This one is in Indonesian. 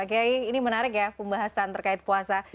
kiai ini menarik ya pembahasan terkait puasa